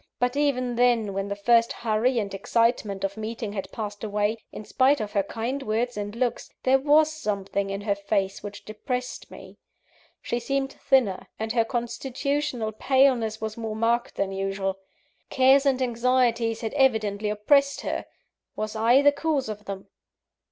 But even then, when the first hurry and excitement of meeting had passed away, in spite of her kind words and looks, there was something in her face which depressed me. She seemed thinner, and her constitutional paleness was more marked than usual. Cares and anxieties had evidently oppressed her was I the cause of them?